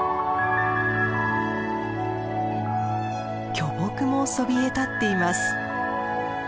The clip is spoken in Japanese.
巨木もそびえ立っています。